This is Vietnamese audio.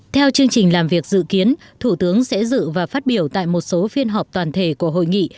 theo chương trình làm việc dự kiến thủ tướng sẽ dự và phát biểu tại một số phiên họp toàn thể của hội nghị